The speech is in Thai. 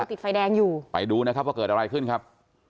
ติดไฟแดงอยู่ไปดูนะครับว่าเกิดอะไรขึ้นครับ